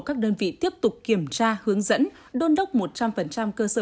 các đơn vị tiếp tục kiểm tra hướng dẫn đôn đốc một trăm linh cơ sở